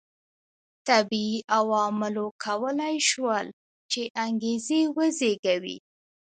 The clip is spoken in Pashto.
طبیعي عواملو کولای شول چې انګېزې وزېږوي.